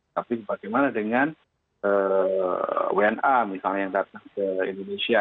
tapi bagaimana dengan wna misalnya yang datang ke indonesia